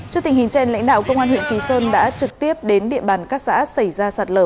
trước tình hình trên lãnh đạo công an huyện kỳ sơn đã trực tiếp đến địa bàn các xã xảy ra sạt lở